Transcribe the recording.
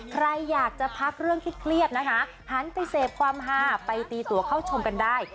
ใครอยากจะพักเรื่องเครียดนะคะหันไปเสพความฮาไปตีตัวเข้าชมกันได้